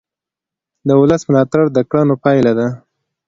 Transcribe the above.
د ولس ملاتړ د کړنو پایله ده